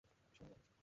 সে আমার মাথা খাচ্ছে।